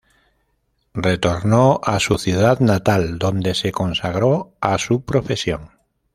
Retornó a su ciudad natal donde se consagró a su profesión.